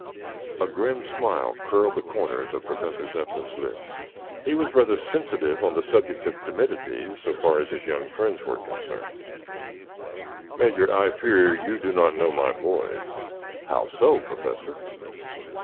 A grim smile curled the corners of Professor Zepplin's lips. He was rather sensitive on the subject of timidity so far as his young friends were concerned. "Major, I fear you do not know my boys." "How so, Professor?"